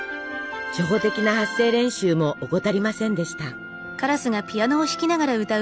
初歩的な発声練習も怠りませんでした。